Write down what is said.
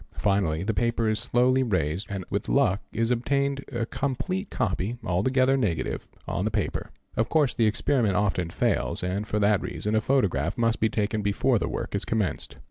Finally the paper is slowly raised and with luck is obtained a complete copy, altogether negative, on the paper. Of course the experiment often fails and for that reason a photograph must be taken before the work is commenced.